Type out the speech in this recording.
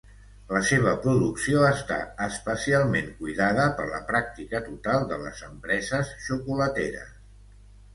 La seva producció està especialment cuidada per la pràctica total de les empreses xocolateres.